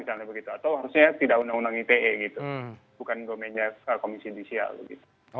atau harusnya tidak undang undang ite gitu bukan domennya komisi judisial begitu